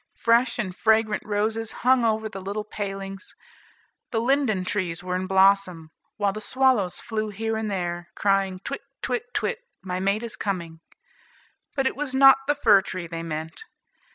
Fresh and fragrant roses hung over the little palings. The linden trees were in blossom; while the swallows flew here and there, crying, "Twit, twit, twit, my mate is coming," but it was not the fir tree they meant.